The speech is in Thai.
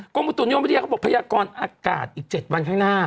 กรุงประตูนิยมเขาบอกพระยากรอากาศอีก๗วันข้างหน้า